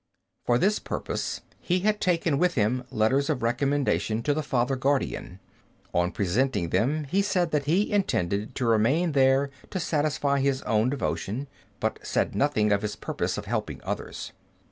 For this purpose he had taken with him letters of recommendation to the Father Guardian. On presenting them, he said that he intended to remain there to satisfy his own devotion, but said nothing of his purpose of helping others.